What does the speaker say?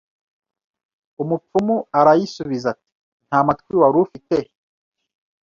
umupfumu arayisubiza ati nta matwi wari ufite